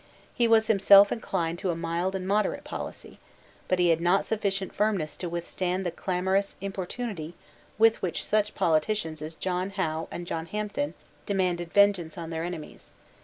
He was himself inclined to a mild and moderate policy: but he had not sufficient firmness to withstand the clamorous importunity with which such politicians as John Howe and John Hampden demanded vengeance on their enemies.